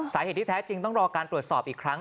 สาเหตุที่แท้จริงต้องรอการตรวจสอบอีกครั้ง